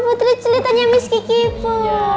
putri saya tanya miss kiki bu